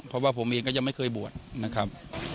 เพราะว่าผมเองก็ยังไม่เคยบวชนะครับ